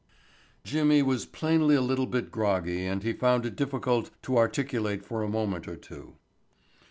Jimmy was plainly a little bit groggy and he found it difficult to articulate for a moment or two.